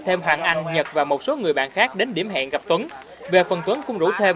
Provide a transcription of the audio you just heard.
thêm hàng anh nhật và một số người bạn khác đến điểm hẹn gặp tuấn về phần tuấn cũng rủ thêm